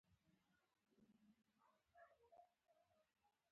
بدن تود دی.